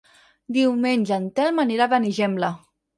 Diumenge en Telm anirà a Benigembla.